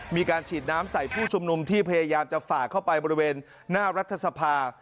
มีการฉีดน้ำใส่ผู้ชุมนุมที่พยายามจะฝ่าเข้าไปบริเวณหน้ารัฐสภา